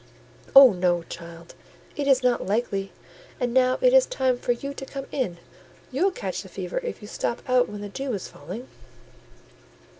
"Oh no, child! It is not likely; and now it is time for you to come in; you'll catch the fever if you stop out when the dew is falling."